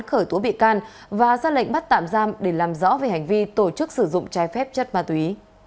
khởi tố bị can và ra lệnh bắt tạm giam để làm rõ về hành vi tổ chức sử dụng trái phép chất ma túy